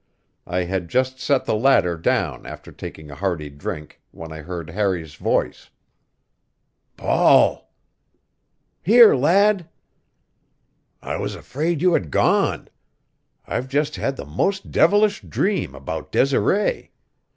I had just set the latter down after taking a hearty drink when I heard Harry's voice. "Paul." "Here, lad." "I was afraid you had gone. I've just had the most devilish dream about Desiree.